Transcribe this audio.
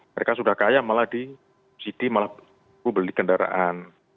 mereka sudah kaya malah di subsidi malah beli kendaraan